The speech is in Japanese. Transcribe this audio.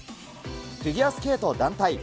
フィギュアスケート団体。